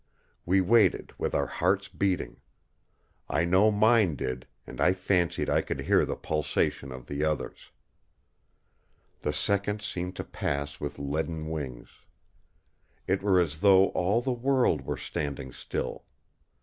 We waited with our hearts beating. I know mine did, and I fancied I could hear the pulsation of the others. The seconds seemed to pass with leaden wings. It were as though all the world were standing still.